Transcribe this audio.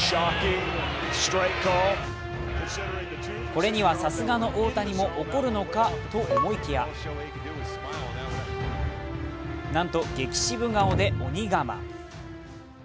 これにはさすがの大谷も怒るのかと思いきやなんと激シブ顔で鬼我慢。